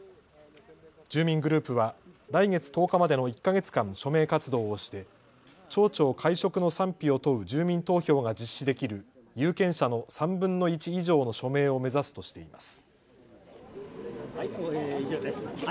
住民グループは来月１０日までの１か月間、署名活動をして町長解職の賛否を問う住民投票が実施できる有権者の３分の１以上の署名を目指すとしています。